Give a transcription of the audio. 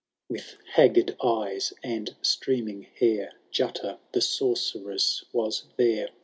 X. ^ With haggard eyes and streaming hair, Jutta the Sorceress was there.